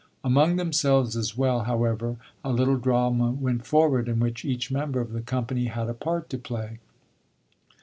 Among themselves as well, however, a little drama went forward in which each member of the company had a part to play.